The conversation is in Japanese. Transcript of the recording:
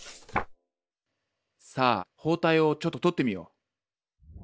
さあ包帯をちょっと取ってみよう。